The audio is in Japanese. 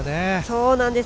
そうなんです。